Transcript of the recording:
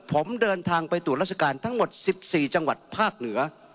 ผมเดินทางไปตรวจราชการทั้งหมด๑๔จังหวัดภาคเหนือ